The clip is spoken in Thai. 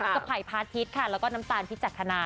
กับไผ่ภาษทิตย์ค่ะแล้วก็น้ำตาลพิจักรนะ